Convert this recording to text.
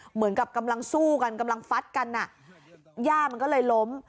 เหมือนกับกำลังสู้กันกำลังฟัดกันอ่ะย่ามันก็เลยล้ม